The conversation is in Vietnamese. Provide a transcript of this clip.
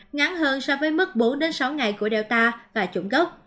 ngắn hơn so với mức bốn sáu ngày của delta và chủng gốc